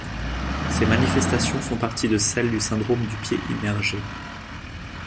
Ces manifestations font partie de celles du syndrome du pied immergé.